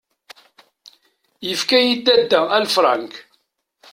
Yefka-iyi Ddada aleffrank.